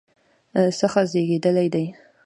څخه زیږیدلی دی